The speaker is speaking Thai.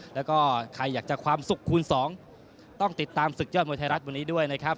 แล้วก็ใครอยากจะความสุขคูณสองต้องติดตามศึกยอดมวยไทยรัฐวันนี้ด้วยนะครับ